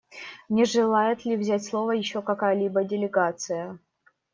Не желает ли взять слово еще какая-либо делегация?